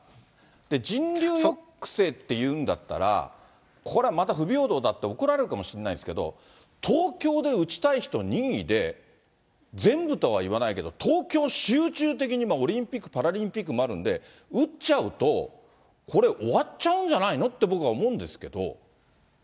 人流抑制って言うんだったら、これ、また不平等だって怒られるかもしれないですけど、東京で打ちたい人、任意で、全部とは言わないけど、集中的にオリンピック・パラリンピックもあるんで、打っちゃうと、これ、終わっちゃうんじゃないのって、僕は思うんですけど。